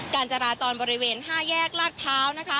การจราจรบริเวณ๕แยกรัดเผานะคะ